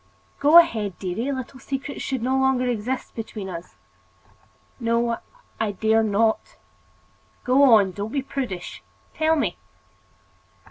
"Go ahead, dearie. Little secrets should no longer exist between us." "No, I dare not." "Go on; don't be prudish. Tell me."